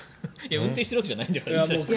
運転してるわけじゃないんだから。